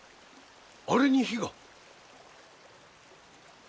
あれに火が。